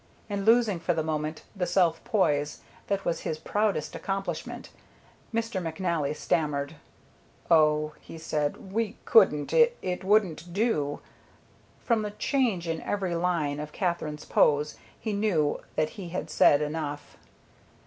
And losing for the moment the self poise that was his proudest accomplishment, Mr. McNally stammered. "Oh," he said, "we couldn't it wouldn't do " From the change in every line of Katherine's pose he knew that he had said enough.